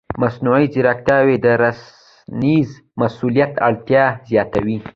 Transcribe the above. مصنوعي ځیرکتیا د رسنیز مسؤلیت اړتیا زیاتوي.